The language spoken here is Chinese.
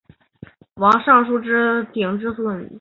工部尚书王舜鼎之孙。